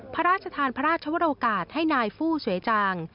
พระราชทานพระราชวรโอกาสให้นายฟู้สวยจาง